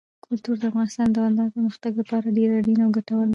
کلتور د افغانستان د دوامداره پرمختګ لپاره ډېر اړین او ګټور دی.